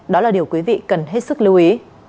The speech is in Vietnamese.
đó là điều quý vị cần hết sức lưu ý